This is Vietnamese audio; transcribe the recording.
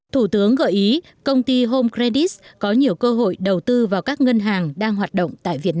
thủ tướng gợi ý công ty home credit có nhiều cơ hội đầu tư vào các ngân hàng đang hoạt động tại việt nam